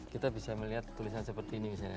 kita bisa melihat tulisan seperti ini misalnya